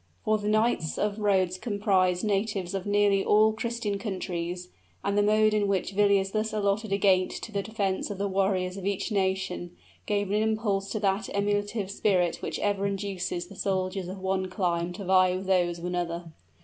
For the knights of Rhodes comprised natives of nearly all Christian countries, and the mode in which Villiers thus allotted a gate to the defense of the warriors of each nation, gave an impulse to that emulative spirit which ever induces the soldiers of one clime to vie with those of another.